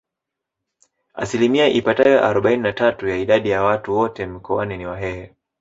Asilimia ipatayo arobaini na tatu ya idadi ya watu wote Mkoani ni Wahehe